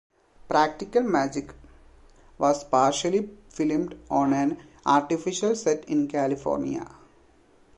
"Practical Magic" was partially filmed on an artificial set in California.